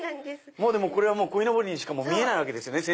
これはこいのぼりにしか見えないわけですね。